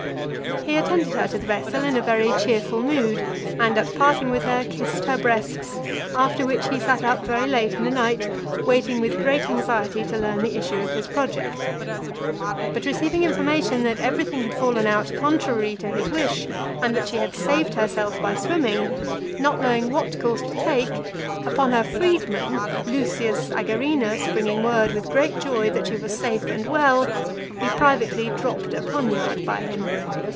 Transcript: He attended her to the vessel in a very cheerful mood, and, at parting with her, kissed her breasts; after which he sat up very late in the night, waiting with great anxiety to learn the issue of his project. But receiving information that every thing had fallen out contrary to his wish, and that she had saved herself by swimming, not knowing what course to take, upon her freedman, Lucius Agerinus bringing word, with great joy, that she was safe and well, he privately dropped a poniard by him.